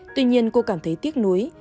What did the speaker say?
tuy nhiên cô cảm thấy tiếc nuối